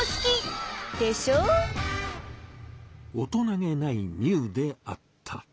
大人げないミウであった。